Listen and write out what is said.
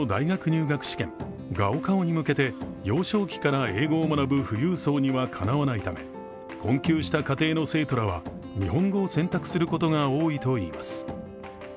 高考に向けて幼少期から英語を学ぶ富裕層にはかなわないため困窮した家庭の生徒らは日本語を選択することが多いといいます。